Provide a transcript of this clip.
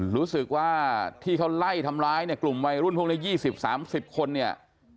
รู้สึกว่าที่เขาไล่ทำร้ายเนี่ยกลุ่มวัยรุ่นพวกนี้๒๐๓๐คนเนี่ย